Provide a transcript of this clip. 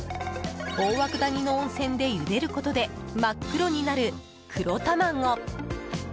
大涌谷の温泉でゆでることで真っ黒になる、黒たまご。